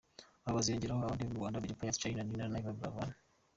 Aba baziyongeraho abandi bo mu Rwanda Dj Pius, Charly & Nina na Yvan Buravan.